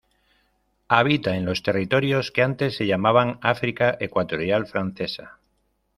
Habita en los territorios que antes se llamaban África Ecuatorial Francesa.